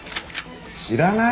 知らない？